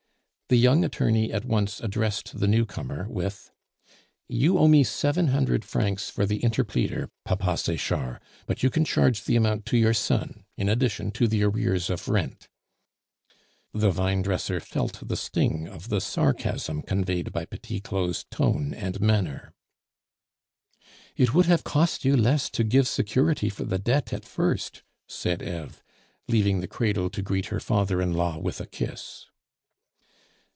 The young attorney at once addressed the newcomer with: "You owe me seven hundred francs for the interpleader, Papa Sechard; but you can charge the amount to your son in addition to the arrears of rent." The vinedresser felt the sting of the sarcasm conveyed by Petit Claud's tone and manner. "It would have cost you less to give security for the debt at first," said Eve, leaving the cradle to greet her father in law with a kiss.